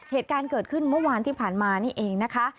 เหตุการณ์เกิดขึ้นเมื่อวานที่ผ่านมานี่เองนะคะ